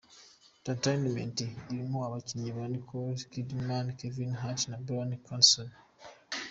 Entertainment, irimo abakinnyi nka Nicole Kidman, Kevin Hart na Bryan Cranston.